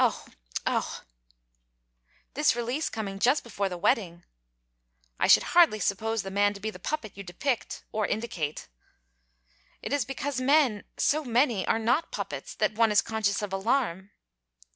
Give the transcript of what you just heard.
'Oh! Oh!' 'This release coming just before the wedding...!' 'I should hardly suppose the man to be the puppet you depict, or indicate.' 'It is because men so many are not puppets that one is conscious of alarm.'